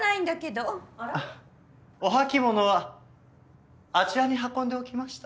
お履物はあちらに運んでおきました。